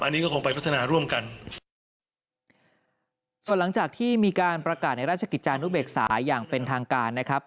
อันนี้ก็คงไปพัฒนาร่วมกันส่วนหลังจากที่มีการประกาศในราชกิจจานุเบกษาอย่างเป็นทางการนะครับ